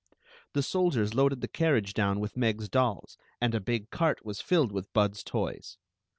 The soldiers loaded the carriage down with Meg's . dolls, and a big cart was filled with Bud's toys.